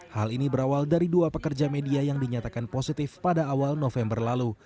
hal ini berawal dari dua pekerja media yang dinyatakan positif pada awal november lalu